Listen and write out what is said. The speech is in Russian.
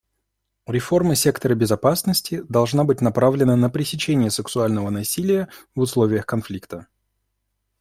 Реформа сектора безопасности должна быть направлена на пресечение сексуального насилия в условиях конфликта.